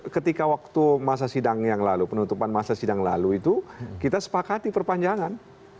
ketika waktu masa sidang yang lalu penutupan masa sidang lalu itu kita sepakati perpanjangan